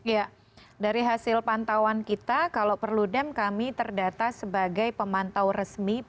ya dari hasil pantauan kita kalau perludem kami terdata sebagai pemantau resmi